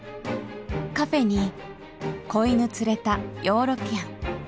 カフェに仔犬連れたヨーロピアン。